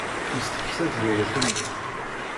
Yesteqsa-d Gaya fell-ak.